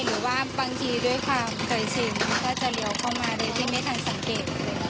หรือว่าบางทีด้วยความเคยชินก็จะเลี้ยวเข้ามาโดยที่ไม่ทันสังเกต